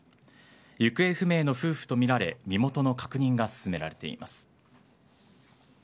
行方不明の夫婦とみられ身元の確認が進められています。